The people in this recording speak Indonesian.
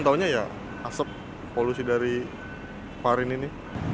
makanya ya asep polusi dari kemarin ini